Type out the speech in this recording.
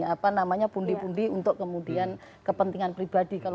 apa namanya pundi pundi untuk kemudian kepentingan pribadi